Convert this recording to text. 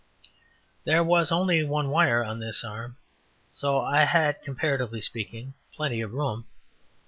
There was only one wire on this arm, so I had, comparatively speaking, plenty of room.